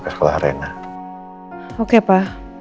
ke sekolah rena oke pa